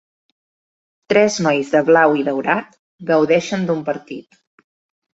Tres nois de blau i daurat gaudeixen d'un partit.